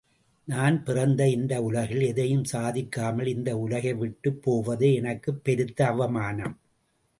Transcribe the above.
நான் பிறந்த இந்த உலகில் எதையும் சாதிக்காமல் இந்த உலகை விட்டுப் போவது என்க்குப் பெருத்த அவமானம்!